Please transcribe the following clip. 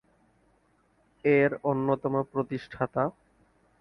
এর অন্যতম প্রতিষ্ঠাতা।